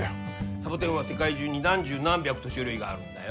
サボテンは世界中に何十何百と種類があるんだよ。